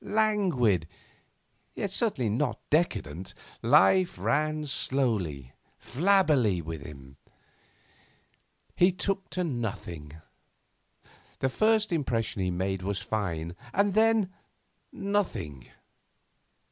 Languid, yet certainly not decadent, life ran slowly, flabbily in him. He took to nothing. The first impression he made was fine then nothing.